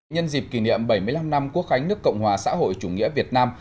nhân dịp kỷ niệm bảy mươi năm năm quốc khánh nước cộng hòa xã hội chủ nghĩa việt nam